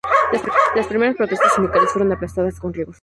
Las primeras protestas sindicales fueron aplastadas con rigor.